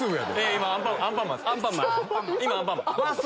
今アンパンマンです。